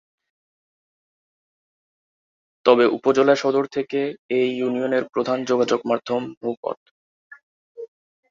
তবে উপজেলা সদর থেকে এ ইউনিয়নের প্রধান যোগাযোগ মাধ্যম নৌপথ।